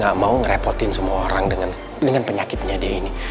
gak mau ngerepotin semua orang dengan penyakitnya dia ini